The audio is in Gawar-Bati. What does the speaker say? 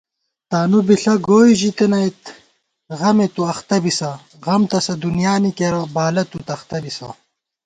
تانُو بِݪہ گوئی ژِتَنَئیت غمے تُو اختہ بِسہ * غم تسہ دُنیانی کېرہ بالہ تُو تختہ بِسہ